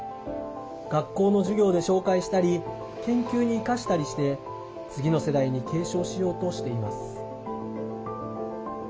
学校の授業で紹介したり研究に生かしたりして次の世代に継承しようとしています。